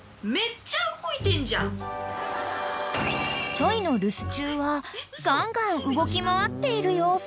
［ｃｈｏｙ？の留守中はガンガン動き回っている様子］